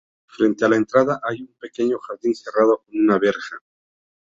Frente a la entrada hay un pequeño jardín cerrado con una verja.